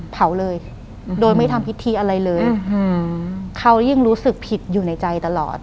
เผาเลยโดยไม่ทำพิธีอะไรเลยอืมเขายิ่งรู้สึกผิดอยู่ในใจตลอด